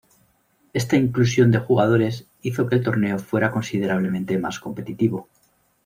Esta inclusión de jugadores hizo que el torneo fuera considerablemente más competitivo.